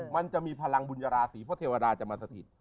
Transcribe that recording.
มันจะมีพลังบุญญาราศีเพราะเทวดาจะมาสถิต